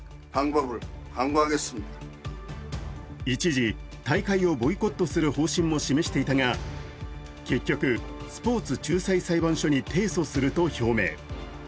一時大会をボイコットする方針も示していたが、結局スポーツ仲裁裁判所に提訴すると表明。